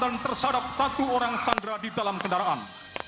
dan tersadap satu orang sanggra di dalam kendaraan